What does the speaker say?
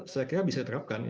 saya kira bisa diterapkan